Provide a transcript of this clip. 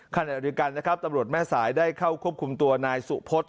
ขณะเดียวกันนะครับตำรวจแม่สายได้เข้าควบคุมตัวนายสุพศ